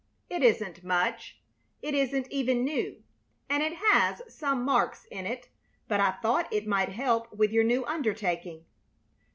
"It isn't much; it isn't even new, and it has some marks in it; but I thought it might help with your new undertaking."